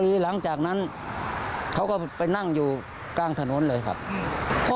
หลังจากนั้นเขาก็ไปนั่งอยู่กลางถนนเลยครับ